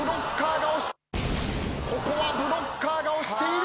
ここはブロッカーが押している！